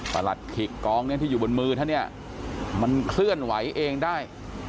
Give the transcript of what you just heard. หลัดขิกกองนี้ที่อยู่บนมือท่านเนี่ยมันเคลื่อนไหวเองได้